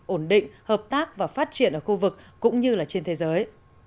ổn định hợp tác và phát triển ở khu vực cũng như là trên thế giới